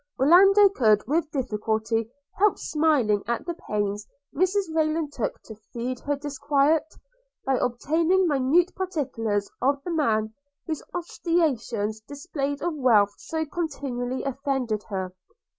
Orlando could with difficulty help smiling at the pains Mrs Rayland took to feed her disquiet, by obtaining minute particulars of the man whose ostentatious display of wealth so continually offended her.